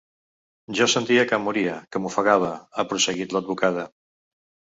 Jo sentia que em moria, que m’ofegava –ha prosseguit l’advocada–.